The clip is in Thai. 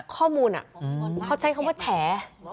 ข้อมูลเขาใช้คำว่าแฉ